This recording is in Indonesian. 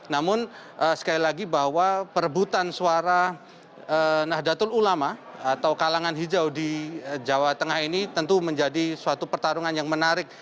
namun sekali lagi bahwa perebutan suara nahdlatul ulama atau kalangan hijau di jawa tengah ini tentu menjadi suatu pertarungan yang menarik